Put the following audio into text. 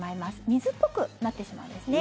水っぽくなってしまうんですね。